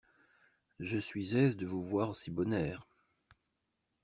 Je suis aise de vous voir si bon air.